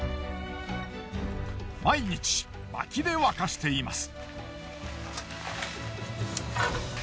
毎日薪で沸かしています。